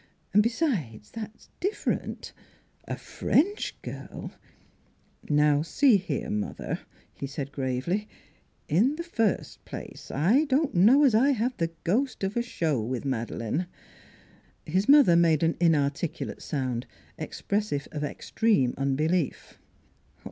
" And besides, that's different: a French girl " Now, see here, mother," he said gravely: " in the first place, I don't know as I have the ghost of a show with Madeleine " His mother made an inarticulate sound, expres sive of extreme unbelief.